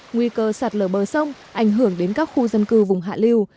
nguy cơ sạt lở bờ sông ảnh hưởng đến các khu dân cư vùng hạ liêu